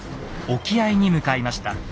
沖合に向かいました。